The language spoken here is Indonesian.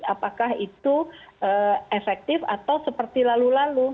apakah itu efektif atau seperti lalu lalu